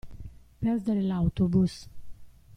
Perdere l'autobus.